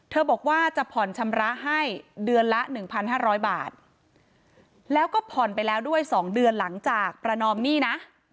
เธอบอกว่าจะผ่อนชำระให้เดือนละหนึ่งพันห้าร้อยบาทแล้วก็ผ่อนไปแล้วด้วยสองเดือนหลังจากประนอมหนี้น่ะ